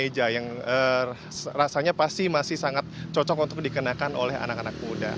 nah ini juga ada kue kue yang rasanya pasti masih sangat cocok untuk dikenakan oleh anak anak muda